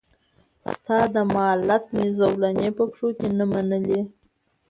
ستا د مالت مي زولنې په پښو کي نه منلې